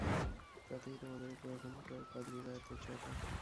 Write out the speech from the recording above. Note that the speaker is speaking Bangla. তাতেই তোমাদের উপর এখানকার পাদ্রীরা এত চটা।